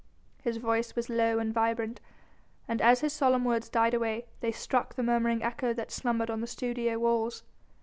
His voice was low and vibrant, and as his solemn words died away, they struck the murmuring echo that slumbered on the studio walls.